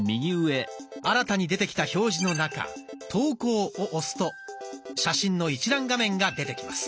新たに出てきた表示の中「投稿」を押すと写真の一覧画面が出てきます。